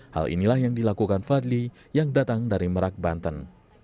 hal inilah yang dilakukan fadli yang datang dari merak banten